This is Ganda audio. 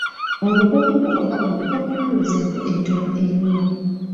Obukukuku oba obukukululu z’enku entono ennyo.